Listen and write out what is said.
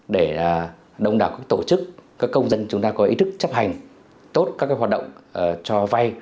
để đông đảo các tổ chức các công dân chúng ta có ý thức chấp hành tốt các hoạt động cho vay